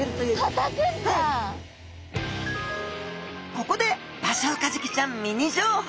ここでバショウカジキちゃんミニ情報！